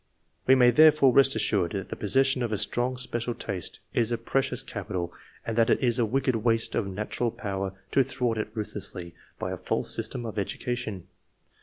We may therefore rest assured that the pos session of a strong special taste is a precious capital, and that it is a wicked waste of national power to" thwart it ruthlessly by a false system of education.